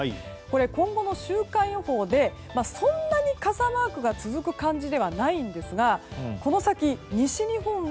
今後の週間予報ではそんなに傘マークが続く感じではないんですがこの先、西日本は